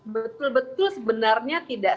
betul betul sebenarnya tidak